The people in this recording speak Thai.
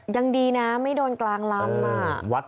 ยังดีนะไม่โดนกลางลำ